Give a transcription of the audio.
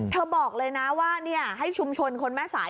บอกเลยนะว่าให้ชุมชนคนแม่สาย